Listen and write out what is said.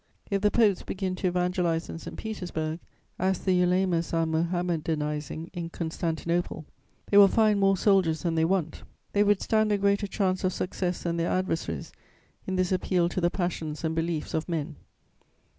If the popes begin to evangelize in St. Petersburg, as the ulemas are mohammedanizing in Constantinople, they will find more soldiers than they want; they would stand a greater chance of success than their adversaries in this appeal to the passions and beliefs of men.